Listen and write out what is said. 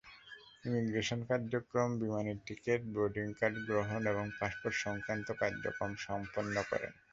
Immigration কার্যক্রম, বিমানের ticket, boarding card গ্রহণ এবং পাসপোর্ট-সংক্রান্ত কার্যক্রম সম্পন্ন করেন।